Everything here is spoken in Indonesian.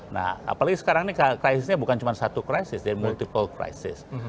nah apalagi sekarang ini krisisnya bukan cuma satu krisis jadi multiple crisis